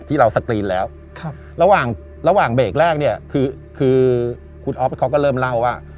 ที่เราสกรีนแล้วระหว่างเบรกแรกคือคุณอ๊อฟเขาก็เริ่มเล่าว่า